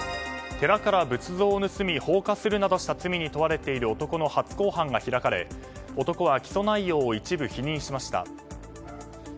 寺から仏像を盗み放火するなどした罪に問われている男の初公判が開かれ男は起訴内容を一部否認しました。